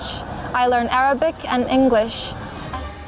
menurut al mahira alam alam alam adalah alam alam